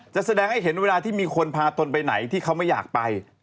แสดงให้เห็นเวลาที่มีคนพาตนไปไหนที่เขาไม่อยากไป